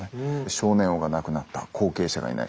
少年王が亡くなった後継者がいない。